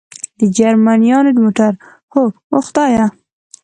د جرمنیانو موټر؟ هو، اوه خدایه.